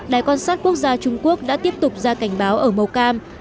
đài quan sát quốc gia trung quốc đã tiếp tục ra cảnh báo ở màu cam